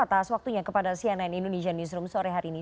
atas waktunya kepada cnn indonesia newsroom sore hari ini